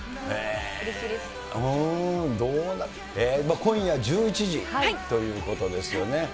今夜１１時ということですよね。